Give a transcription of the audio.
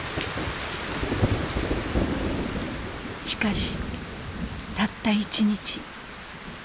しかしたった一日。